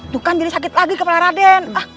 tuh kan jadi sakit lagi kepala raden